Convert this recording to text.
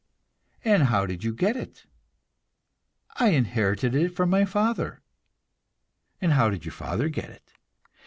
"And how did you get it?" "I inherited it from my father." "And how did your father get it?"